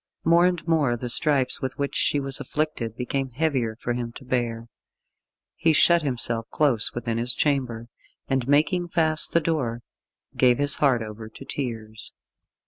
More and more the stripes with which she was afflicted became heavier for him to bear. He shut himself close within his chamber, and making fast the door, gave his heart over to tears.